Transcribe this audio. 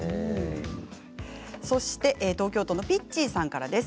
東京都の方です。